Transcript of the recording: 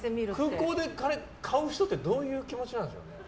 空港で買う人ってどういう気持ちなんですかね？